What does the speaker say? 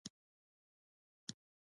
د فارسي غالیو کیفیت ډیر لوړ دی.